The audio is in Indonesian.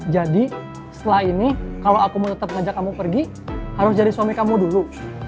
jadi setelah ini kalau aku mau tetap ngajak kamu pergi harus jadi suami kamu dulu